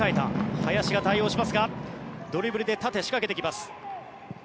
林が対応しますがドリブルで縦に仕掛けてきます。